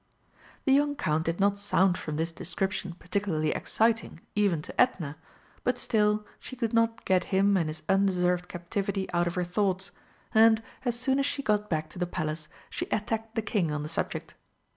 The young Count did not sound from this description particularly exciting, even to Edna, but still she could not get him and his undeserved captivity out of her thoughts, and, as soon as she got back to the Palace, she attacked the King on the subject.